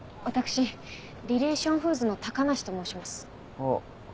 私リレーション・フーズの高梨と申します。